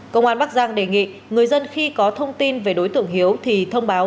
công an bắc giang đề nghị người dân khi có thông tin về đối tượng hiếu thì thông báo